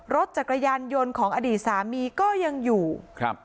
รถจักรยานยนต์ของอดีตสามีก็ยังอยู่ครับ